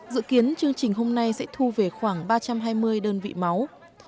dự kiến chương trình hôm nay sẽ thu về khoảng ba trăm hai mươi đơn vị máu